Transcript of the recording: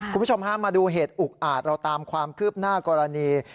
คุณผู้ชมฮะมาดูเหตุอุกอาจเราตามความคืบหน้ากรณี